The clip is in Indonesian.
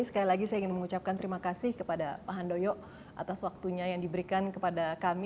sekali lagi saya ingin mengucapkan terima kasih kepada pak handoyo atas waktunya yang diberikan kepada kami